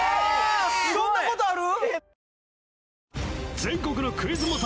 そんなことある！？